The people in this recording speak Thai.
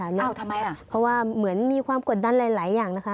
นึกออกทำไมอ่ะเพราะว่าเหมือนมีความกดดันหลายอย่างนะคะ